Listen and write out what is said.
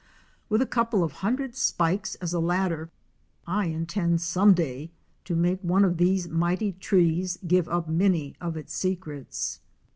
With a couple of hundred spikes as a ladder, I intend some day to make one of these mighty trees give up many of its secrets.